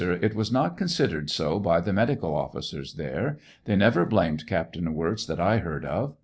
■ A. It was not considered so by the medical officers there. They never blamed Captain Wirz that I heard of.